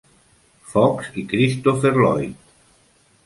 Fox i Christopher Lloyd.